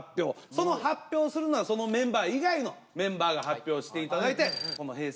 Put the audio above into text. その発表するのはそのメンバー以外のメンバーが発表していただいてＨｅｙ！